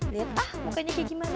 lihat ah mukanya kayak gimana